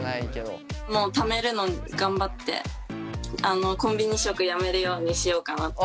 もうためるの頑張ってコンビニ食やめるようにしようかなって。